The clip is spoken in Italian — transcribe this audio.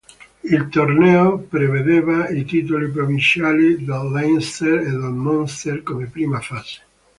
Il torneo prevedeva i titoli provinciali del Leinster e del Munster come prima fase.